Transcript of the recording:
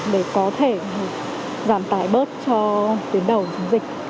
để có thể giảm tài bớt cho tiến đầu dịch